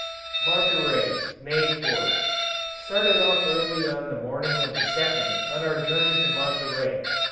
Monterey. May 4th. Started off early on the morning of the 2nd on our journey to Monterey.